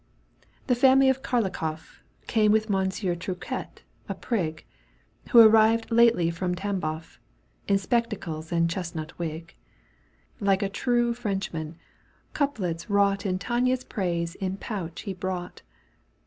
The family of Kharlikofif, 2 Came with Monsieur Triquet, a prig, Who arrived lately from Tamboff, In spectacles and chestnut wig. Like a true Frenchman, couplets wrought In Tania's praise in pouch he brought.